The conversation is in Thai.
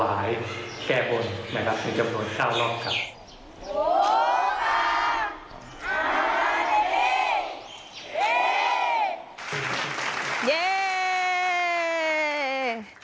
อาฆาติรินทร์